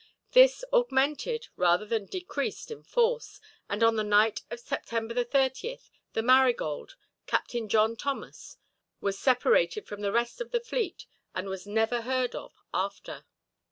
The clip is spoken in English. This augmented rather than decreased in force, and on the night of September the 30th the Marigold, Captain John Thomas, was separated from the rest of the fleet, and was never heard of, after.